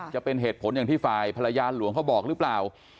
จะเป็นเหตุผลอย่างที่ฝ่ายภรรยาหลวงเขาบอกหรือเปล่า